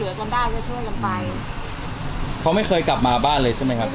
เรามีเราก็พอช่วยเหลือกันได้ก็ช่วยกันไปเขาไม่เคยกลับมาบ้านเลยใช่ไหมครับ